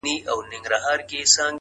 چي يو ځل بيا څوک په واه !واه سي راته!